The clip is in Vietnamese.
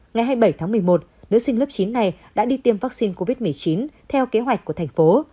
ngày hai mươi bảy tháng một mươi một nữ sinh lớp chín này đã đi tiêm vaccine covid một mươi chín theo kế hoạch của thành phố